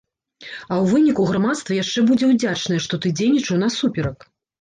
А ў выніку грамадства яшчэ будзе ўдзячнае, што ты дзейнічаў насуперак.